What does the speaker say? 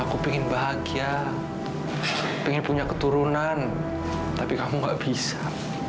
aku ingin bahagia pengen punya keturunan tapi kamu gak bisa